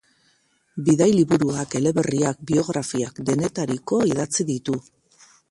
Bidai-liburuak, eleberriak, biografiak... denetariko idatzi ditu.